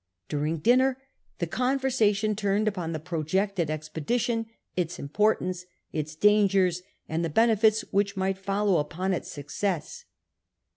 During dinner the conversation turned upon the projected ex pedition, its importance, its dangers, and the benefits which might follow upon its success.